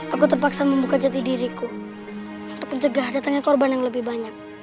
aku terpaksa membuka jati diriku untuk mencegah datangnya korban yang lebih banyak